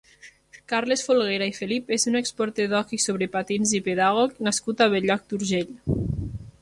Carles Folguera i Felip és un exporter d'hoquei sobre patins i pedagog nascut a Bell-lloc d'Urgell.